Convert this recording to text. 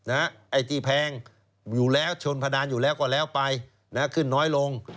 ไอ้ที่แพงชนพระดานอยู่แล้วกว่าแล้วไปขึ้นน้อยลง